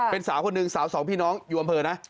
เป็นสาวคนหนึ่งสาวสองพี่น้องอยู่อำเภอนะ